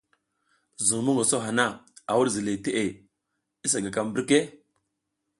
Zuŋ mongoso hana, a wuɗ ziley teʼe, i sa gaka mbirke.